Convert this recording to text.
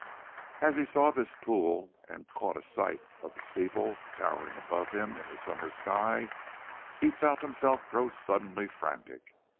As he saw this pool and caught a sight of the steeple towering above him in the summer sky, he felt himself grow suddenly frantic.